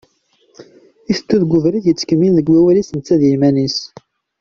Iteddu deg ubrid yettkemmil deg wawal-is netta d yiman-is.